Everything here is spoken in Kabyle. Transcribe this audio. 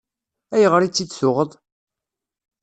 Ayɣer i tt-id-tuɣeḍ?